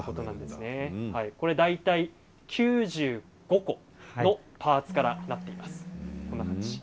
大体、９５個のパーツからなっています。